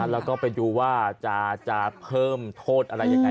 แล้วก็ไปดูว่าจะเพิ่มโทษอะไรยังไง